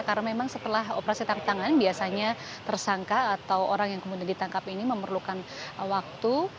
karena memang setelah operasi tangan tangan biasanya tersangka atau orang yang kemudian ditangkap ini memerlukan waktu